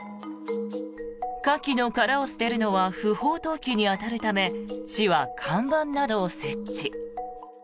カキの殻を捨てるのは不法投棄に当たるため市は看板などを設置。